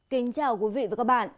kính chào quý vị và các bạn